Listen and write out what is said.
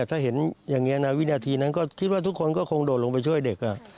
ถ้าเห็นอย่างนี้นะวินาทีนั้นก็คิดว่าทุกคนก็คงโดดลงไปช่วยเด็ก